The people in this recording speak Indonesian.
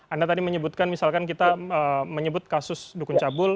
anda tadi menyebutkan misalkan kita menyebut kasus dukun cabul